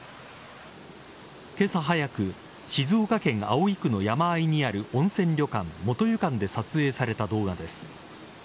今朝早く静岡県葵区の山あいにある温泉旅館元湯館で撮影された動画です。